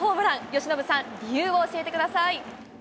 由伸さん、理由を教えてください。